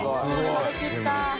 食べきった！